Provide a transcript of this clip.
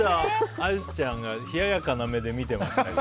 アリスちゃんが冷ややかな目で見てますけど。